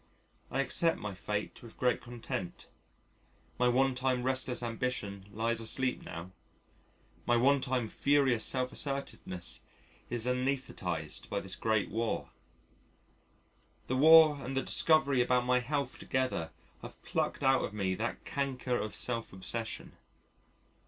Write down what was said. I accept my fate with great content, my one time restless ambition lies asleep now, my one time, furious self assertiveness is anæsthetised by this great War; the War and the discovery about my health together have plucked out of me that canker of self obsession.